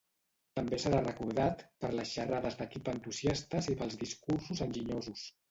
També serà recordat per les xerrades d'equip entusiastes i pels discursos enginyosos.